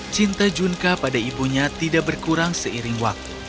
cinta junka pada ibunya tidak berkurang seiring waktu